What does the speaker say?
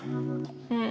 うん。